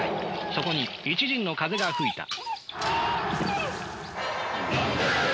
そこに一陣の風が吹いた。